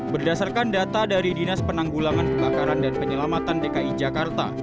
berdasarkan data dari dinas penanggulangan kebakaran dan penyelamatan dki jakarta